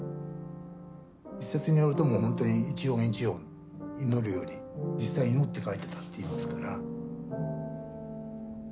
一説によるともうほんとに一音一音祈るように実際祈って書いてたっていいますから。